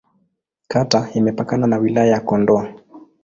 Kata imepakana na Wilaya ya Kondoa.